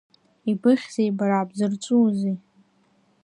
Ибыхьзеи, бара, бзырҵәуазеи?